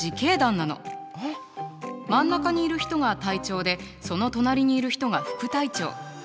真ん中にいる人が隊長でその隣にいる人が副隊長。